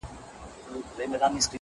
حدِاقل چي ته مي باید پُخلا کړې وای